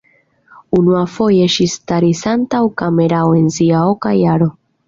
Unuafoje ŝi staris antaŭ kamerao en sia oka jaro.